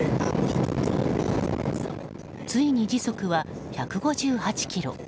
ついに時速は１５８キロ。